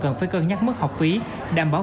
cần phải cân nhắc mức học phí đảm bảo